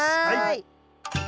はい。